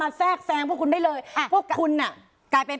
มาแทฟท์แซกแซงพวกคุณได้เลยอ่าพวกคุณน่ะกล่าเป็น